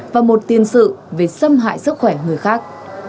và một tiền sự về xâm hại sức khỏe người khác